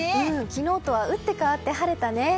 昨日とは打って変わって晴れたね。